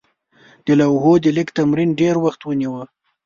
د لوحو د لیک تمرین ډېر وخت ونیوه.